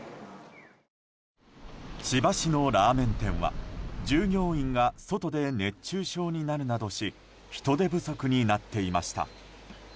千葉市のラーメン店は従業員が外で熱中症になるなどし人手不足になっていました。